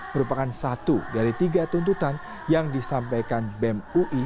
merupakan satu dari tiga tuntutan yang disampaikan bem ui